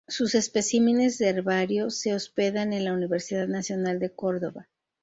Sus especímenes de herbario se hospedan en la Universidad Nacional de Córdoba.